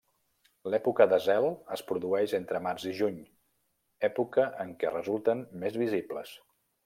L'època de zel es produeix entre març i juny, època en què resulten més visibles.